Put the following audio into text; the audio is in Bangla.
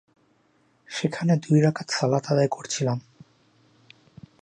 সেখানে দুই রাকাত সালাত আদায় করছিলাম।